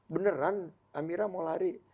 beneran amira mau lari